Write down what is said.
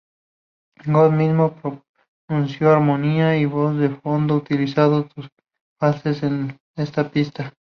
Gibb mismo proporcionó armonía y voz de fondo, utilizando su falsete en esta pista.